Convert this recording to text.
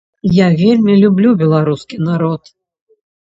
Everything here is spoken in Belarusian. Я вельмі люблю беларускі народ.